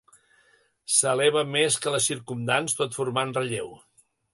S'eleva més que les circumdants, tot formant relleu.